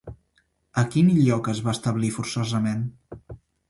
A quin lloc es va establir forçosament?